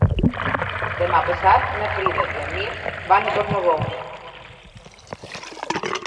Demà passat na Frida i en Mirt van a Tornabous.